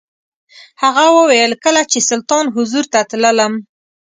هغه وویل کله چې سلطان حضور ته تللم.